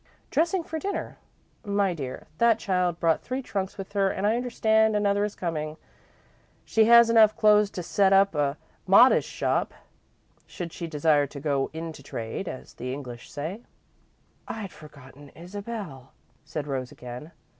"Dressing for dinner. My dear, that child brought three trunks with her and I understand another is coming. She has enough clothes to set up a modest shop, should she desire to 'go into trade' as the English say." "I'd forgotten Isabel," said Rose, again.